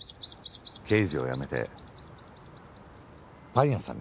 刑事を辞めてパン屋さんになる。